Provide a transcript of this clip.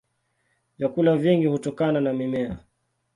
Vyakula vingi hutokana na mimea.